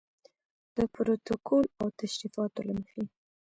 د پروتوکول او تشریفاتو له مخې.